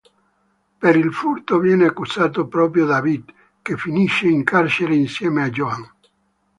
Per il furto, viene accusato proprio David che finisce in carcere insieme a Joan.